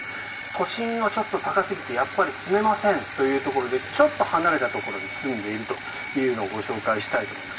都心はちょっと高すぎてやっぱり住めませんというところでちょっと離れたところに住んでいるのをご紹介したいと思います。